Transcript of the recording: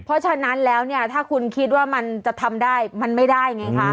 เพราะฉะนั้นแล้วเนี่ยถ้าคุณคิดว่ามันจะทำได้มันไม่ได้ไงคะ